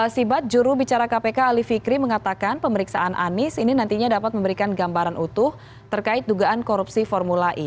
sibat juru bicara kpk ali fikri mengatakan pemeriksaan anies ini nantinya dapat memberikan gambaran utuh terkait dugaan korupsi formula e